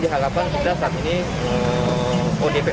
kota bogor mencapai dua puluh dua orang